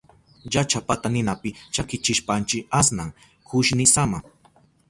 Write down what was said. Llachapata ninapi chakichishpanchi asnan kushnisama.